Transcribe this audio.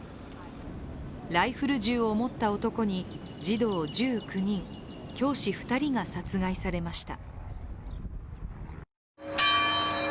ライフル銃を持った男に児童１９人、教師２人が殺害されました。